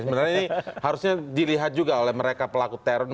sebenarnya ini harusnya dilihat juga oleh mereka pelaku teror